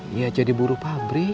dia jadi buru pabrik